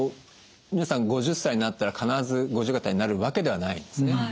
皆さん５０歳になったら必ず五十肩になるわけではないんですね。